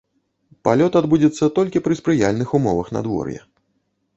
Палёт адбудзецца толькі пры спрыяльных умовах надвор'я.